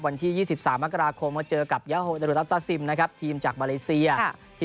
วันที่ยี่สิบสามมักราคมน์ก็เจอกับย้าโฮทีมจากบาลเมริเซียฮะ